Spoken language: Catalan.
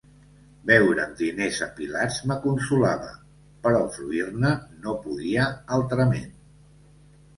Veure'm diners apilats m’aconsolava; però fruir-ne no podia, altrament.